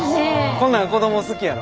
こんなん子供好きやろ？